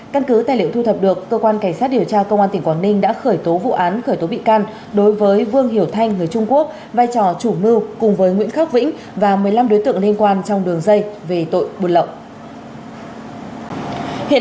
căn cứ tài liệu thu thập được cơ quan cảnh sát điều tra công an tỉnh quảng ninh đã khởi tố vụ án khởi tố bị can đối với vương hiểu thanh người trung quốc vai trò chủ mưu cùng với nguyễn khắc vĩnh và một mươi năm đối tượng liên quan trong đường dây về tội buôn lậu